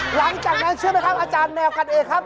หลังจากนั้นเชื่อไหมครับอาจารย์แนวกันเองครับ